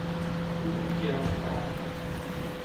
Eu vi que há um carro.